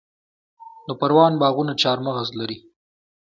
د پروان باغونه چهارمغز لري.